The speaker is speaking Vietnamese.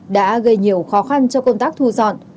đã gây nhiều khó khăn cho công tác thu dọn